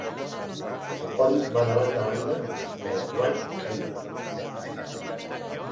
El pont va de banda a banda del White Canyon.